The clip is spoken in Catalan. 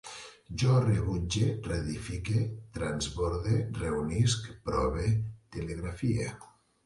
Jo rebutge, reedifique, transborde, reunisc, prove, telegrafie